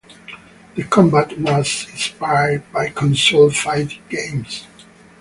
The combat was inspired by console fighting games.